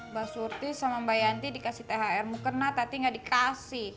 mbak surti sama mbak yanti dikasih thrmu kena tapi gak dikasih